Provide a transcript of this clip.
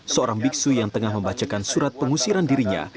seorang biksu yang tengah membacakan surat pengusiran dirinya